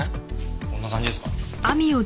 こんな感じですか？